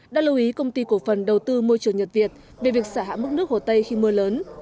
đã lưu ý công ty cổ phần đầu tư môi trường nhật việt về việc xả hạ mức nước hồ tây khi mưa lớn